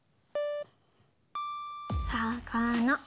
さかな。